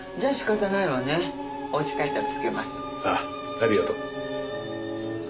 ありがとう。